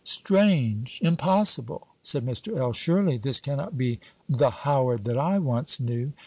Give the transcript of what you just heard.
"Strange! Impossible!" said Mr. L. "Surely this cannot be the Howard that I once knew."